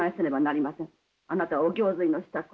あなたはお行水の支度を。